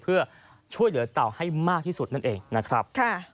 เพื่อช่วยเหลือเต่าให้มากที่สุดนั่นเองนะครับ